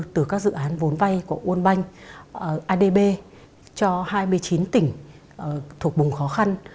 từ các dự án vốn vay của uôn banh adb cho hai mươi chín tỉnh thuộc bùng khó khăn